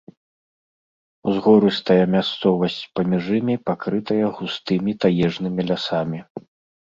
Узгорыстая мясцовасць паміж імі пакрытая густымі таежнымі лясамі.